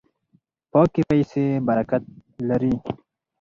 پاکې پیسې برکت لري.